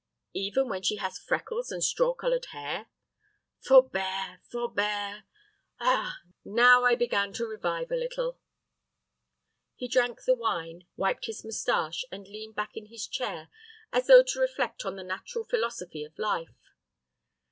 "Even when she has freckles and straw colored hair?" "Forbear, forbear. Ah, now I began to revive a little." He drank the wine, wiped his mustache, and leaned back in his chair as though to reflect on the natural philosophy of life.